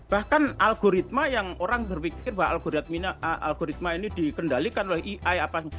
bahkan algoritma yang orang berpikir bahwa algoritma ini dikendalikan oleh ai apa